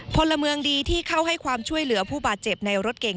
พลเมืองดีที่เข้าให้ความช่วยเหลือผู้บาดเจ็บในรถเก่ง